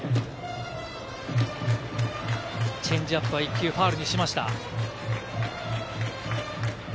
チェンジアップは１球、ファウルにしました。